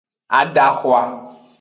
Adahwa.